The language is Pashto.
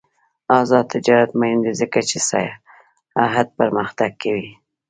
آزاد تجارت مهم دی ځکه چې سیاحت پرمختګ کوي.